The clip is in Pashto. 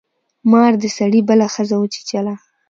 مار د سړي بله ښځه وچیچله.